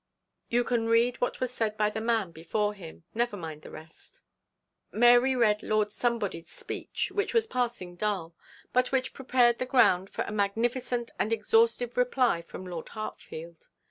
You can read what was said by the man before him; never mind the rest.' Mary read Lord Somebody's speech, which was passing dull, but which prepared the ground for a magnificent and exhaustive reply from Lord Hartfield.